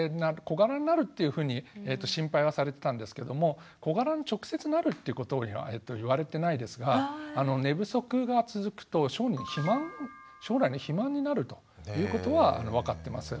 小柄になるというふうに心配はされてたんですけども小柄に直接なるってことは言われてないですが寝不足が続くと小児肥満将来の肥満になるということは分かってます。